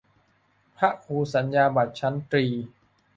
พระครูสัญญาบัตรชั้นตรี